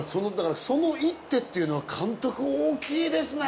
その一手っていうのは監督大きいですね。